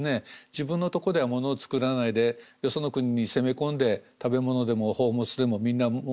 自分のとこでは物を作らないでよその国に攻め込んで食べ物でも宝物でもみんな持ってくると。